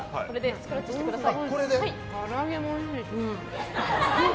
スクラッチしてください。